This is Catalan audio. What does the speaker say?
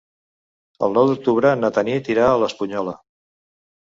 El nou d'octubre na Tanit irà a l'Espunyola.